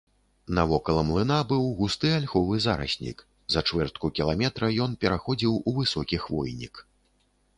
Навокал млына быў густы альховы зараснік, за чвэртку кіламетра ён пераходзіў у высокі хвойнік.